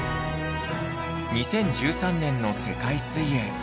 ２０１３年の世界水泳。